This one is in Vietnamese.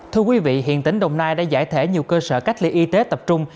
thưa quý vị hiện tỉnh đồng nai đã giải thể nhiều cơ sở cách ly y tế tập trung